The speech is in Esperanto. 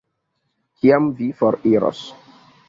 Kiam vi foriros?